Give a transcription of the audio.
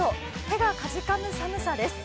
手がかじかむ寒さです。